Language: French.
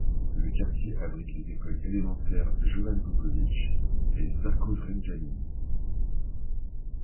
Le quartier abrite les écoles élémentaires Jovan Popović et Žarko Zrenjanin.